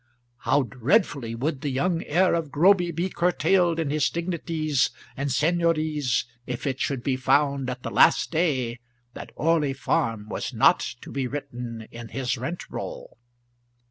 How dreadfully would the young heir of Groby be curtailed in his dignities and seignories if it should be found at the last day that Orley Farm was not to be written in his rent roll!